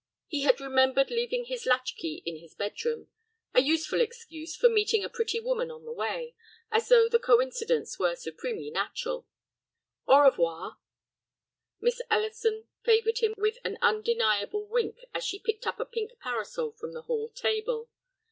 He had remembered leaving his latch key in his bedroom, a useful excuse for meeting a pretty woman on the way, as though the coincidence were supremely natural. "Au revoir." Miss Ellison favored him with an undeniable wink as she picked up a pink parasol from the hall table.